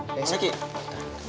lo harus banyak kasih ya